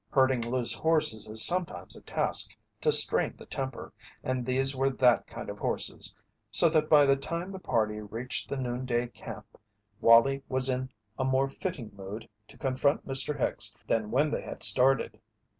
Herding loose horses is sometimes a task to strain the temper, and these were that kind of horses, so that by the time the party reached the noon day camp Wallie was in a more fitting mood to confront Mr. Hicks than when they had started.